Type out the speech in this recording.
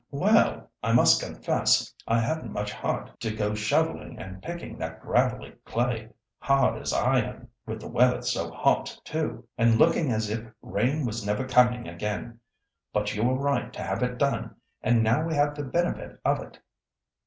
"Well, I must confess I hadn't much heart to go shovelling and picking that gravelly clay—hard as iron—with the weather so hot too, and looking as if rain was never coming again. But you were right to have it done, and now we have the benefit of it.